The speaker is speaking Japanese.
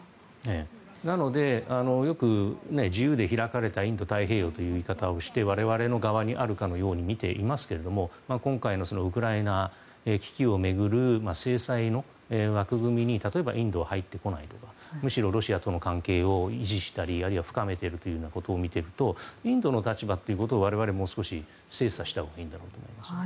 なので、よく、自由で開かれたインド太平洋という言い方をして我々の側にあるかのように見ていますが今回のウクライナ危機を巡る制裁の枠組みに例えばインドは入ってこないとかむしろロシアとの関係を維持したりあるいは深めているということを見ているとインドの立場っていうことを我々はもう少し精査したほうがいいんだろうと思います。